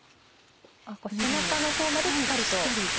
背中のほうまでしっかりと。